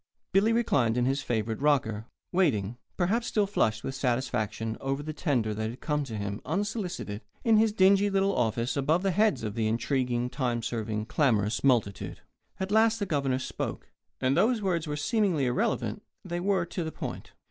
Billy reclined in his favourite rocker, waiting, perhaps still flushed with satisfaction over the tender that had come to him, unsolicited, in his dingy little office, above the heads of the intriguing, time serving, clamorous multitude. At last the Governor spoke; and, though his words were seemingly irrelevant, they were to the point.